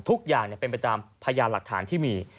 ทุกอย่างเป็นไปตามพยานหลักฐานที่มี